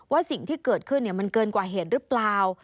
สิ่งที่เกิดขึ้นมันเกินกว่าเหตุหรือเปล่า